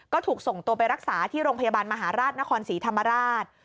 ก็ถูกส่งตัวไปรักษาที่โรงพยาบาลมหาราชนครศรีธรรมราช